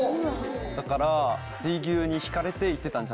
だから。